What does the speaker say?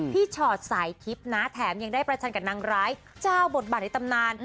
ชอตสายทิพย์นะแถมยังได้ประชันกับนางร้ายเจ้าบทบาทในตำนาน